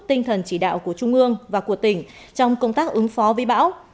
tinh thần chỉ đạo của trung ương và của tỉnh trong công tác ứng phó với bão